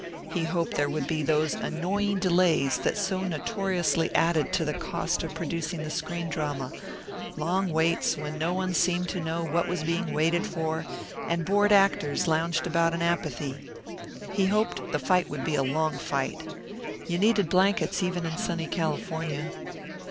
He hoped there would be those annoying delays that so notoriously added to the cost of producing the screen drama long waits, when no one seemed to know what was being waited for, and bored actors lounged about in apathy. He hoped the fight would be a long fight. You needed blankets even in sunny California.